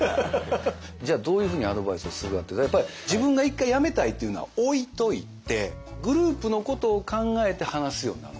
じゃあどういうふうにアドバイスをするかっていったら自分が一回辞めたいっていうのは置いといてグループのことを考えて話すようになるんです。